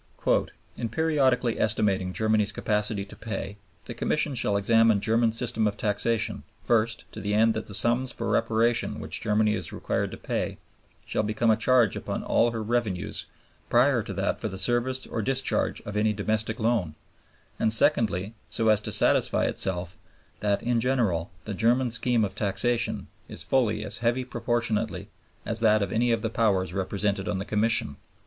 "In periodically estimating Germany's capacity to pay, the Commission shall examine the German system of taxation, first, to the end that the sums for reparation which Germany is required to pay shall become a charge upon all her revenues prior to that for the service or discharge of any domestic loan, and secondly, so as to satisfy itself that, in general, the German scheme of taxation is fully as heavy proportionately as that of any of the Powers represented on the Commission."